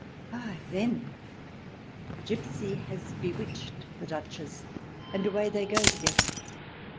Ay, then ! The gipsy has bewitched the Duchess, and away they go together.